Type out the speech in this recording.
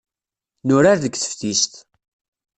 Nurar deg teftist.